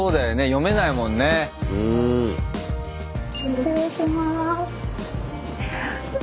失礼します。